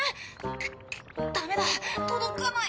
くっダメだ届かない。